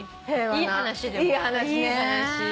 いい話ね。